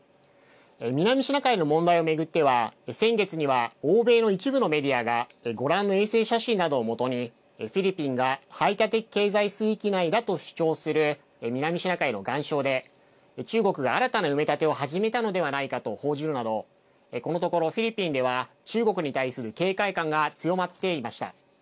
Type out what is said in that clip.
南シナ海の問題を巡っては先月には欧米の一部のメディアがご覧の衛星写真などを基にフィリピンが排他的経済水域内だと主張する南シナ海の岩礁で中国が新たな埋め立てを始めたのではないかと報じるなどこのところフィリピンでは中国に対する警戒感が強まっていました。